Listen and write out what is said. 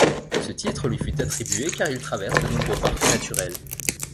Ce titre lui fut attribué car il traverse de nombreux parcs naturels.